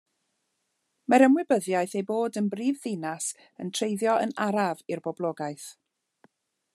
Mae'r ymwybyddiaeth ei bod yn brifddinas yn treiddio yn araf i'r boblogaeth.